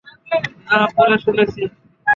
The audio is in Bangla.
না, পরে শুনেছি।